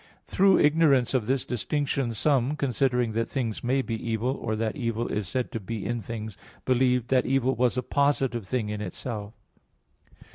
Through ignorance of this distinction some, considering that things may be evil, or that evil is said to be in things, believed that evil was a positive thing in itself.